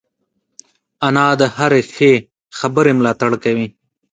انا د هرې ښې خبرې ملاتړ کوي